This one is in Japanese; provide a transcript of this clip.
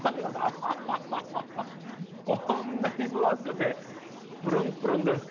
こんなに分厚くてプルンプルンです。